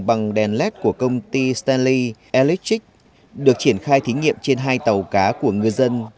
bằng đèn led của công ty stanley electrix được triển khai thí nghiệm trên hai tàu cá của ngư dân